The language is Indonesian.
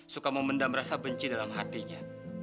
suka memendam rasa benci dalam hatinya